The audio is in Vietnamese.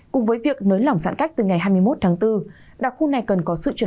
cùng với việc nới lỏng giãn cách từ ngày hai mươi một tháng bốn đặc khu này cần có sự chuyển